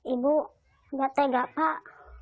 ibu nggak tega pak